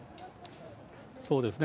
そうですね。